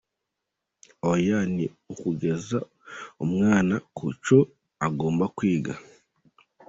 Oya, ni ukugeza umwana ku cyo agomba kwiga.